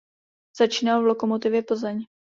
Začínal v Lokomotivě Plzeň.